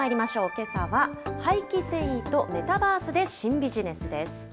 けさは廃棄繊維とメタバースで新ビジネスです。